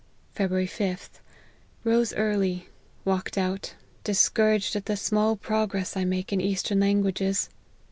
" February 5th. Rose early ; walked out, dis couraged at the small progress I make in the eastern \anguages.